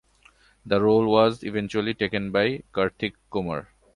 The role was eventually taken by Karthik Kumar.